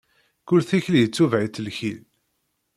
Kul tikli itubeɛ-itt lkil.